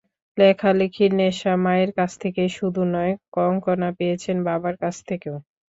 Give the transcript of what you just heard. লেখালেখির নেশা মায়ের কাছ থেকেই শুধু নয়, কঙ্কণা পেয়েছেন বাবার কাছ থেকেও।